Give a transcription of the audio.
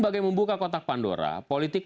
sebagai membuka kotak pandora politik